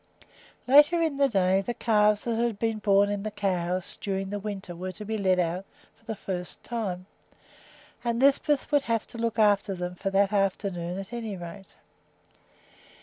Later in the day the calves that had been born in the cow house during the winter were to be let out for the first time, and Lisbeth would have to look after them for that afternoon at any rate.